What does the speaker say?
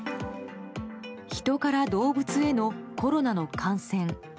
人から動物へのコロナの感染。